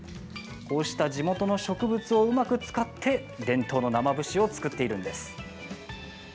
こうした地元の植物をうまく使って伝統の生節を作っているんです。